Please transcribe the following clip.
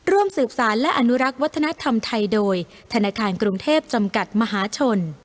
ร่วมสืบสารและอนุรักษ์วัฒนธรรมไทยโดยธนาคารกรุงเทพจำกัดมหาชน